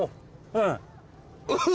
うん？